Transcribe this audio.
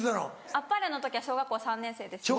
『あっぱれ』の時は小学校３年生です。